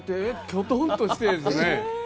きょとんとしてるんですね。